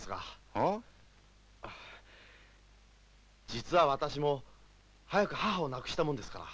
実は私も早く母を亡くしたもんですから。